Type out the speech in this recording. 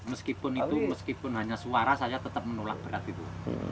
meskipun itu meskipun hanya suara saja tetap menolak berat itu